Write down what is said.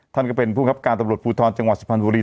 ท่านก็เป็นภูมิครับการตำรวจภูทรจังหวัดสุพรรณบุรี